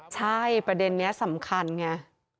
ใช่ประเด็นนี้สำคัญไง